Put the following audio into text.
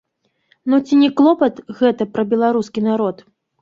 Ну ці не клопат гэта пра беларускі народ?